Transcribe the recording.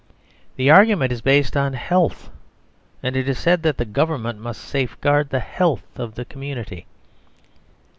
The argument is based on health; and it is said that the Government must safeguard the health of the community.